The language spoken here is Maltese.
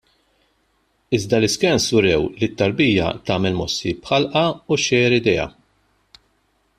Iżda l-iscans urew lit-tarbija tagħmel mossi b'ħalqha u xxejjer idejha.